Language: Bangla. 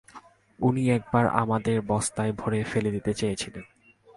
উনি একবার আমাদের বস্তায় ভরে ফেলে দিতে চেয়েছিলেন।